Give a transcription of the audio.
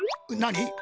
何？